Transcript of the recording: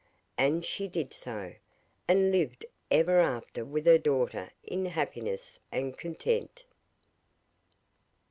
And she did so; and lived ever after with her daughter in happiness and content.